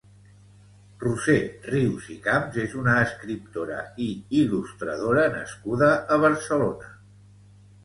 Roser Rius i Camps és una escriptora i il·lustradora nascuda a Barcelona.